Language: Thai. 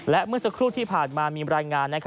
และเมื่อสักครู่ที่ผ่านมามีรายงาน